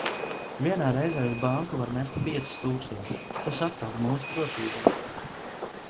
Vienā reizē uz banku var nest piecus tūkstošus, tas atkal mūsu drošībai.